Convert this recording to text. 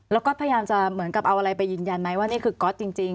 แล้วก็พยายามจะเหมือนกับเอาอะไรไปยืนยันไหมว่านี่คือก๊อตจริง